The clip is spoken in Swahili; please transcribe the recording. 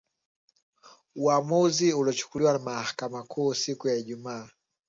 Uwamuzi ulochukuliwa na Mahakama Kuu siku ya Ijuma